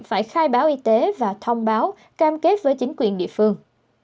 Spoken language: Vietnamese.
phải khai báo y tế và thông báo cam kết với chính quyền địa phương